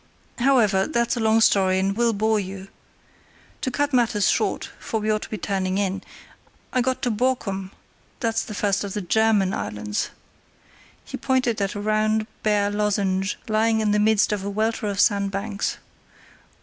However, that's a long story, and will bore you. To cut matters short, for we ought to be turning in, I got to Borkum—that's the first of the German islands." He pointed at a round bare lozenge lying in the midst of a welter of sandbanks.